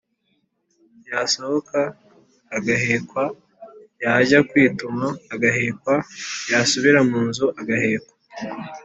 yasohoka agahekwa, yajya kwituma agahekwa, yasubira mu nzu agahekwa.